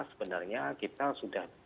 sebenarnya kita sudah